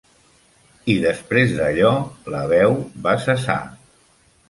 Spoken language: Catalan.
I després d'allò, la veu va cessar.